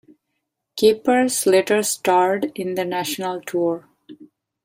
Capers later starred in the national tour.